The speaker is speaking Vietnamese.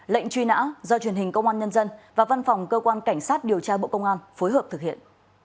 lệnh truy nã do truyền hình công an nhân dân và văn phòng cơ quan cảnh sát điều tra bộ công an phối hợp thực hiện